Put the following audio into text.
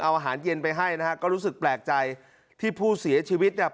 เอาอาหารเย็นไปให้นะฮะก็รู้สึกแปลกใจที่ผู้เสียชีวิตเนี่ย